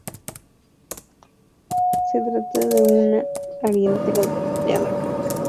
Se trataba de un ariete goleador.